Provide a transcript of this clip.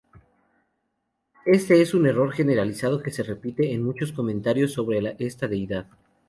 Este es un error generalizado que se repite en muchos comentarios sobre esta deidad.